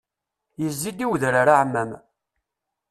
Yezzi-d i wedrar aɛmam.